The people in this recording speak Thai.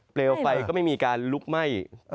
เลวไฟก็ไม่มีการลุกไหม้